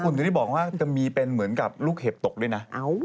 คุณจะได้บอกว่าจะมีเป็นเหมือนกับลูกเห็บตกด้วยนะ